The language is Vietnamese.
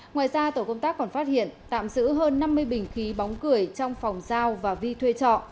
ngoài ra tổ công tác còn phát hiện tạm giữ hơn năm mươi bình khí bóng cười trong phòng giao và vi thuê trọ